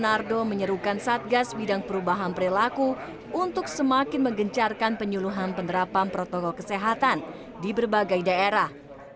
ini adalah satu aspek yang cukup penting untuk memperkeluarkan pendidikan dan perubahan perilaku untuk semakin menggencarkan penyeluhan penerapan protokol kesehatan di berbagai daerah